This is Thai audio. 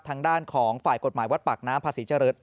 ทางด้านของฝ่ายกฎหมายวัดปากน้ำภาษีเจริญ